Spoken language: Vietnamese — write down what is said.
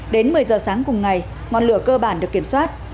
đến một mươi giờ sáng cùng ngày ngọn lửa cơ bản được kiểm soát